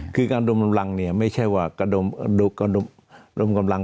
คือการดมกำลังเนี่ยไม่ใช่ว่ากระดมกำลัง